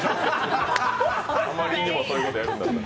あまりにもそういうことやるんだったら。